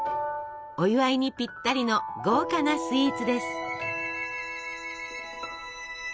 お祝いにぴったりの豪華なスイーツです。